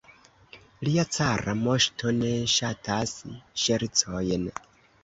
Lia cara moŝto ne ŝatas ŝercojn.